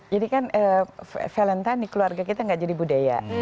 jadi kan valentan di keluarga kita gak jadi budaya